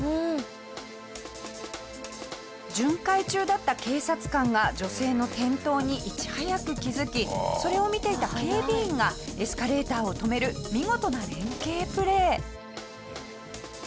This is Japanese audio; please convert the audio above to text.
巡回中だった警察官が女性の転倒にいち早く気付きそれを見ていた警備員がエスカレーターを止める見事な連係プレー。